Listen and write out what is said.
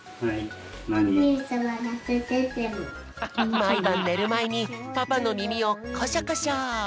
まいばんねるまえにパパのみみをこしょこしょ。